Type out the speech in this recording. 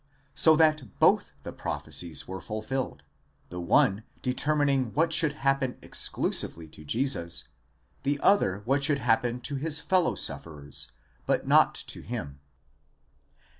so that both the prophecies were fulfilled, the one determining what should happen exclusively to Jesus, the other what should happen to his fellow sufferers, but not to him.